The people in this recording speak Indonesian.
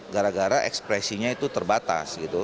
gara gara ekspresinya itu terbatas gitu